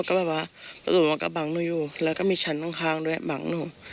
ก็จะขยับออกมาหนูอยู่หลังประตู